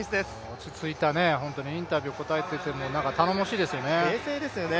落ち着いた、インタビューを答えていても冷静ですよね。